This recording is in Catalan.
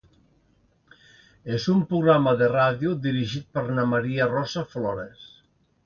és un programa de ràdio dirigit per na Maria Rosa Flores